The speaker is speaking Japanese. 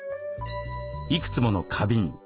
いくつもの花瓶。